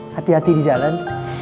hati hati di jalan